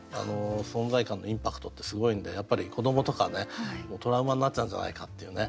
存在感のインパクトってすごいんでやっぱり子どもとかはトラウマになっちゃうんじゃないかっていうね